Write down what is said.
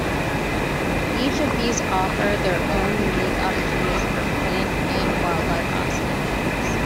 Each of these offer their own unique opportunities for plant and wildlife observations.